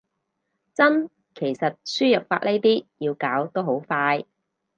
真，其實輸入法呢啲要搞都好快